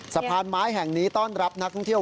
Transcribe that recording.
สะพานไม้แห่งนี้ต้อนรับนักท่องเที่ยว